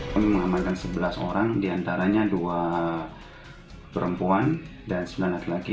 kami mengamankan sebelas orang diantaranya dua perempuan dan sembilan laki laki